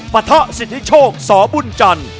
ปะทะสิทธิโชคสบุญจันทร์